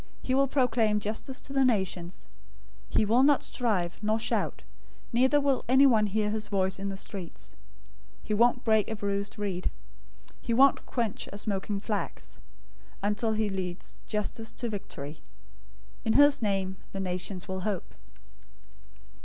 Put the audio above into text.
He will proclaim justice to the nations. 012:019 He will not strive, nor shout; neither will anyone hear his voice in the streets. 012:020 He won't break a bruised reed. He won't quench a smoking flax, until he leads justice to victory. 012:021 In his name, the nations will hope."